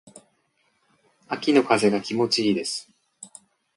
秋の風が気持ち良いです。